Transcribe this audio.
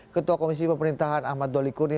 ketua komisi pemerintahan ahmad doli kurni